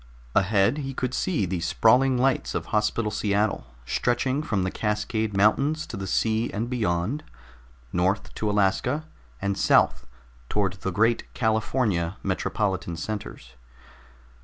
Ahead he could see the sprawling lights of Hospital Seattle, stretching from the Cascade Mountains to the sea and beyond, north to Alaska and south toward the great California metropolitan centers.